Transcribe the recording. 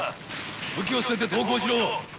武器を持って投降しろ。